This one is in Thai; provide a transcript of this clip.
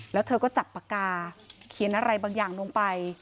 แล้วเธอก็จับปากกาเขียนอะไรบางอย่างลงไป